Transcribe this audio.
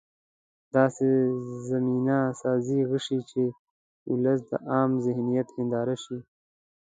داسې زمینه سازي وشي چې د ولس د عامه ذهنیت هنداره شي.